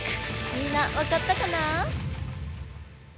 みんなわかったかな？